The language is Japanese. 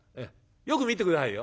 よく見て下さいよ。